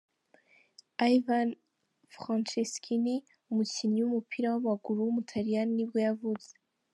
Ivan Franceschini, umukinnyi w’umupira w’amaguru w’umutaliyani nibwo yavutse.